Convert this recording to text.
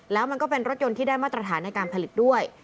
แล้วมันก็เป็นรถยนต์ที่ได้มาตรฐานในการผลิตด้วย